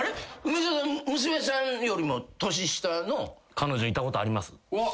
彼女いたことあります？